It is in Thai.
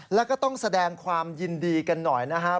แล้วก็ต้องแสดงความยินดีกันหน่อยนะครับ